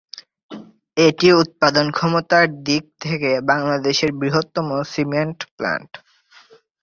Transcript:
এটি উৎপাদন ক্ষমতার দিক থেকে বাংলাদেশের বৃহত্তম সিমেন্ট প্ল্যান্ট।